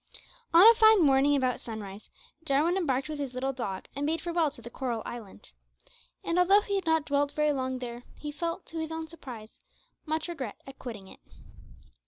On a fine morning about sunrise, Jarwin embarked with his little dog and bade farewell to the coral island, and although he had not dwelt very long there, he felt, to his own surprise, much regret at quitting it.